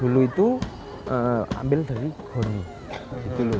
nah itu ambil dari goni gitu loh